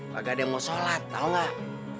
bagaimana mau sholat tau gak